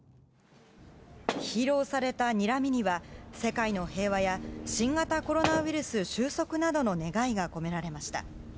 披露されたにらみには、世界の平和や新型コロナウイルス終息などの願いが込められました。